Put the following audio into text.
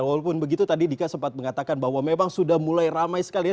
walaupun begitu tadi dika sempat mengatakan bahwa memang sudah mulai ramai sekali ya